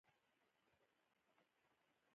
دوی یو سیاسي او ټولنیز چوکاټ غواړي.